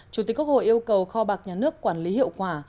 chủ tịch quốc hội yêu cầu kho bạc nhà nước quản lý hiệu quả